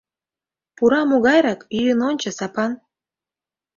— Пура могайрак, йӱын ончо, Сапан.